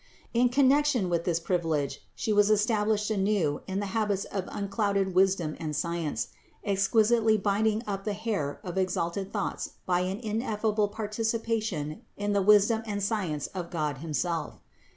In connection with this privilege She was established anew in the habits of unclouded wisdom and science, exquisitely binding up the hair of exalted thoughts by an ineffable participation in the wisdom and science of God himself.